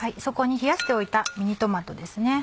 そこに冷やしておいたミニトマトです。